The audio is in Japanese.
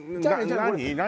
何？